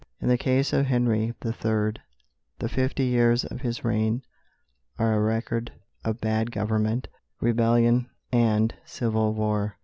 In the case of Henry the Third, the fifty years of his reign are a record of bad government, rebellion, and civil war.